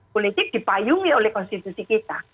politik dipayungi oleh konstitusi kita